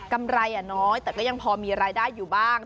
ไรน้อยแต่ก็ยังพอมีรายได้อยู่บ้าง